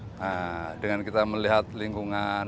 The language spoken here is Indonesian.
nah dengan kita melihat lingkungan